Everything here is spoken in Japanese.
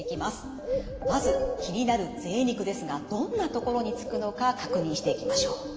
まず気になるぜい肉ですがどんなところにつくのか確認していきましょう。